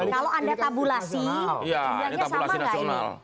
kalau anda tabulasi jumlahnya sama nggak ini